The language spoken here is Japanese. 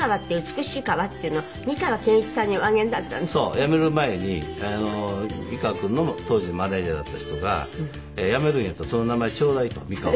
辞める前に美川君の当時のマネジャーだった人が「辞めるんやったらその名前ちょうだい」と美川を。